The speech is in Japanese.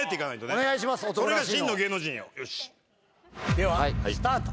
ではスタート。